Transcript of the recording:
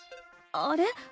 あれ？